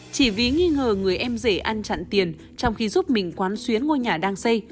chỉ vì nghi ngờ người em dễ ăn chặn tiền trong khi giúp mình quán xuyến ngôi nhà đang xây